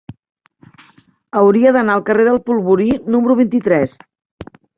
Hauria d'anar al carrer del Polvorí número vint-i-tres.